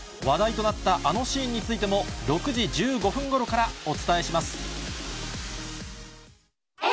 話題となったあのシーンについても、６時１５分ごろからお伝えします。